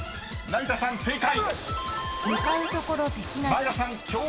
［前田さん正解！］